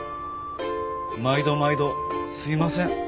毎度毎度すいません。